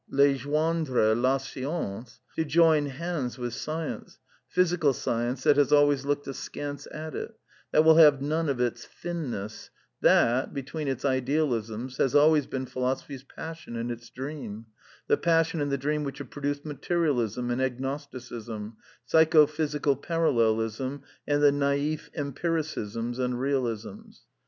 Bejoindre la science !" To join hands with Science, physical science that has always looked askance at it, chat will have none of its " thinness "— that (between its Ideal r \ isms) has always been Philosophy's passion and its dream; \ ^if^ the passion and the dream which have produced Material ism and Agnosticism, Psycho physical Parallelism, and all the naif empiricisms and realisms.